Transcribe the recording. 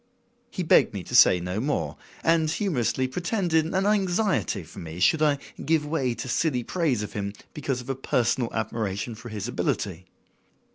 He begged me to say no more, and humorously pretended an anxiety for me should I give way to silly praise of him because of a personal admiration for his ability.